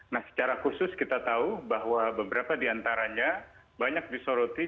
nah secara khusus kita tahu bahwa beberapa di antaranya banyak disoroti